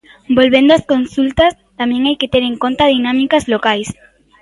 Volvendo ás consultas, tamén hai que ter en conta dinámicas locais.